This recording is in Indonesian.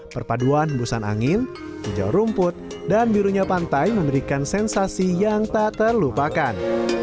perpaduan hembusan angin hijau rumput dan birunya pantai memberikan sensasi yang tak terlupakan